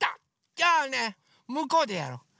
じゃあねむこうでやろう！